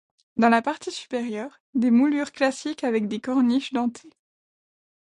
Dans la partie supérieure, des moulures classiques avec des corniches dentées.